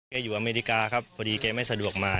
อยู่อเมริกาครับพอดีแกไม่สะดวกมา